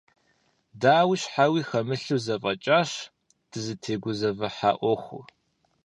Дауи щхьэуи хэмылъу зэфӀэкӀащ дызытегузэвыхьа Ӏуэхур.